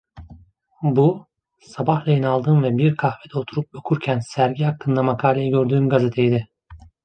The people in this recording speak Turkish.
Bu, sabahleyin aldığım ve bir kahvede oturup okurken sergi hakkındaki makaleyi gördüğüm gazeteydi.